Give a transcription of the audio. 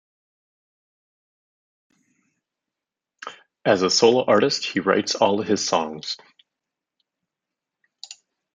As a solo artist he writes all his songs.